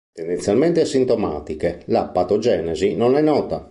Tendenzialmente asintomatiche, la patogenesi non è nota.